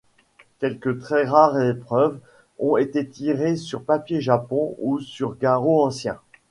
Quelques très rares épreuves ont été tirées sur papier japon ou sur guarro ancien.